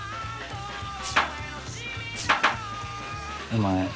お前